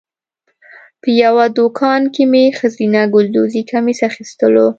په یوه دوکان کې مې ښځینه ګلدوزي کمیس اخیستلو.